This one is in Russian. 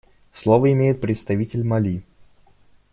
Слово имеет представитель Мали.